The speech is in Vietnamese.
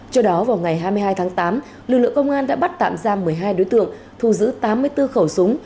trước đó vào ngày hai mươi hai tháng tám lực lượng công an đã bắt tạm giam một mươi hai đối tượng thu giữ tám mươi bốn khẩu súng